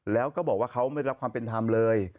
แล้วก็บอกว่าเขาไม่ได้รับความเป็นธรรมเลย